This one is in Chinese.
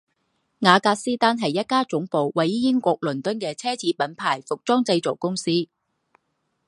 雅格狮丹是一家总部位于英国伦敦的奢侈品牌服装制造公司。